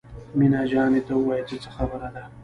مينه جانې ته ووايه چې څه خبره ده.